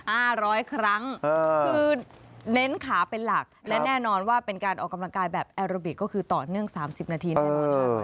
ร้อยครั้งเออคือเน้นขาเป็นหลักและแน่นอนว่าเป็นการออกกำลังกายแบบแอโรบิกก็คือต่อเนื่องสามสิบนาทีแน่นอนค่ะ